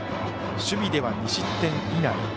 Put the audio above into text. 守備では２失点以内。